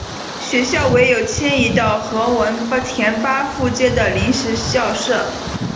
学校唯有迁移到何文田巴富街的临时校舍。